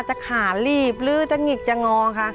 ขาลีบหรือจะหงิกจะงอค่ะ